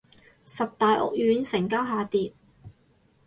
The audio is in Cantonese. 十大屋苑成交下跌